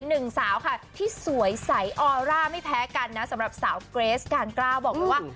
หนึ่งสาวค่ะที่สวยใสออร่าไม่แพ้กันนะสำหรับสาวเกรสการกล้าบอกเลยว่า